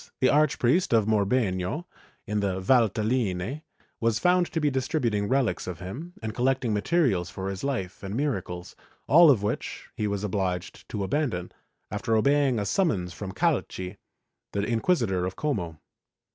In 1686, the Archpriest of Morbegno, in the Valtelhne, was found to be distributing rehcs of him and collecting materials for his life and miracles, all of which he was obliged to abandon, after obeying a summons from Calchi, the Inquisitor of Como.